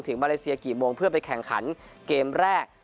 มาเลเซียกี่โมงเพื่อไปแข่งขันเกมแรก